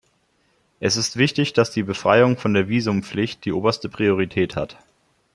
Es ist wichtig, dass die Befreiung von der Visumpflicht die oberste Priorität hat.